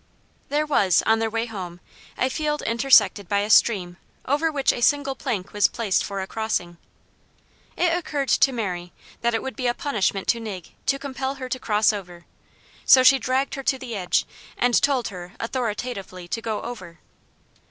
There was, on their way home, a field intersected by a stream over which a single plank was placed for a crossing. It occurred to Mary that it would be a punishment to Nig to compel her to cross over; so she dragged her to the edge, and told her authoritatively to go over.